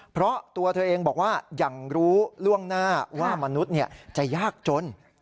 เพราะตัวเธอเองบอกว่าอย่างรู้ล่วงหน้าว่ามนุษย์จะยากจน